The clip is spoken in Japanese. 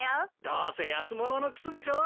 どうせ安物の靴でしょ。